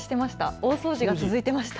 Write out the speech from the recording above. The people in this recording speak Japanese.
大掃除が続いていました。